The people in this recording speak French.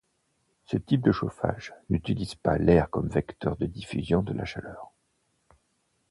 Ce type de chauffage n'utilise pas l'air comme vecteur de diffusion de la chaleur.